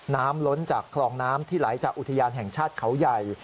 ล้นจากคลองน้ำที่ไหลจากอุทยานแห่งชาติเขาใหญ่